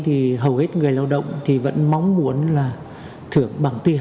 thì hầu hết người lao động thì vẫn mong muốn là thưởng bằng tiền